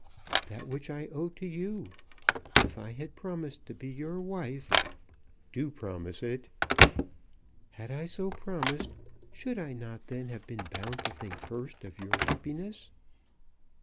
"That which I owe to you. If I had promised to be your wife " "Do promise it." "Had I so promised, should I not then have been bound to think first of your happiness?"